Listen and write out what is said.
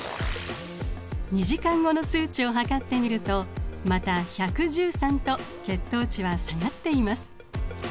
２時間後の数値を測ってみるとまた１１３と血糖値は下がっています。